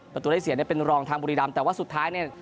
ประตูได้เสียเนี่ยเป็นรองทางบุรีรำแต่ว่าสุดท้ายเนี่ย